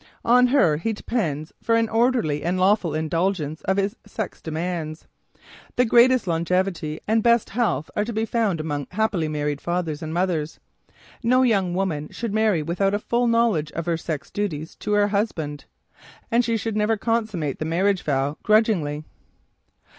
On her he depends for an orderly and lawful indulgence of his sex demands. The greatest longevity and best health are to be found among happily married fathers and mothers. No young woman should marry without a full knowledge of her sex duties to her husband. And she should never consummate the marriage vow grudgingly.